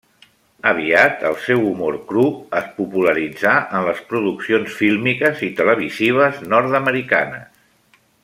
Aviat, el seu humor cru es popularitzà en les produccions fílmiques i televisives nord-americanes.